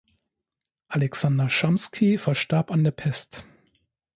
Alexander Schamsky verstarb an der Pest.